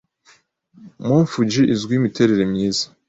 Mt. Fuji izwiho imiterere myiza.